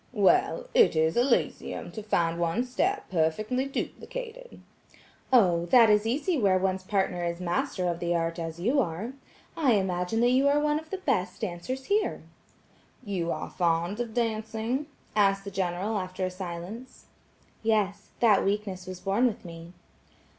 "Well, it is Elysium to find one's step perfectly duplicated." "Oh, that is easy where one's partner is master of the art as you are. I imagine that you are one of the best dancers here." "You are fond of dancing?" asked the General, after a silence. "Yes; that weakness was born with me."